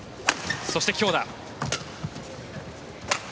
そして、強打。